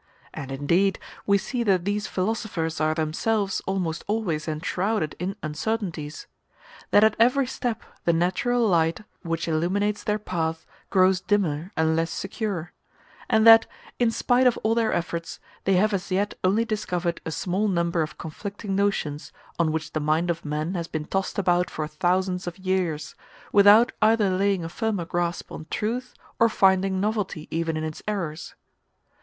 And, indeed, we see that these philosophers are themselves almost always enshrouded in uncertainties; that at every step the natural light which illuminates their path grows dimmer and less secure; and that, in spite of all their efforts, they have as yet only discovered a small number of conflicting notions, on which the mind of man has been tossed about for thousands of years, without either laying a firmer grasp on truth, or finding novelty even in its errors.